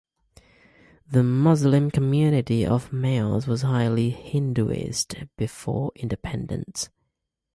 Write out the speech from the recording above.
The Muslim community of Meos was highly Hinduised before independence.